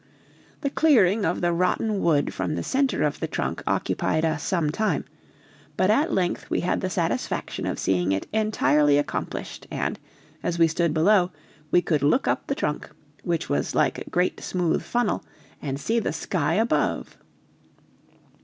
The clearing of the rotten wood from the center of the trunk occupied us some time, but at length we had the satisfaction of seeing it entirely accomplished, and, as we stood below, we could look up the trunk, which was like a great smooth funnel, and see the sky above.